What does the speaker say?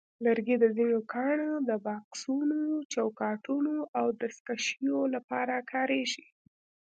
لرګي د ځینو ګاڼو د بکسونو، چوکاټونو، او دستکشیو لپاره کارېږي.